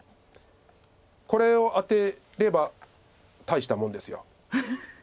これを当てれば大したもんです。